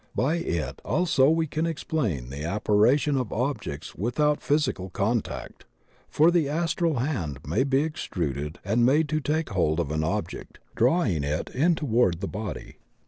By it also we can explain the apportation of objects without physi cal contact, for the astral hand may be extruded and made to take hold of an object, drawing it in toward the body.